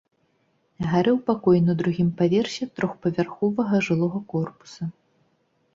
Гарэў пакой на другім паверсе трохпавярховага жылога корпуса.